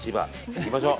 いきましょう。